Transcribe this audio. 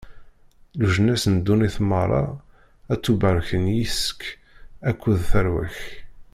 Leǧnas n ddunit meṛṛa ad ttubarken yis-k akked tarwa-k.